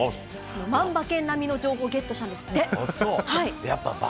万馬券並みの情報をゲットしたんですって。